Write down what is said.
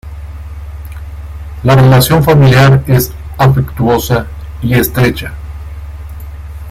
La relación familiar es afectuosa y estrecha.